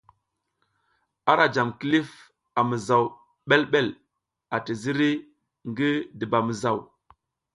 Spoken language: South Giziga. Ara jam kilif a mizaw ɓelɓel ati ziri ngi dubamizaw.